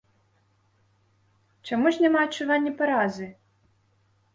Чаму ж няма адчування паразы?